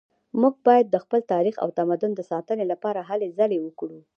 موږ باید د خپل تاریخ او تمدن د ساتنې لپاره هلې ځلې وکړو